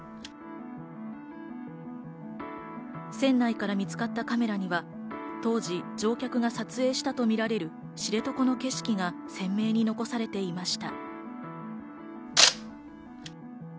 船内から見つかったカメラには当時、乗客が撮影したとみられる、知床の景色が鮮明に残されていました。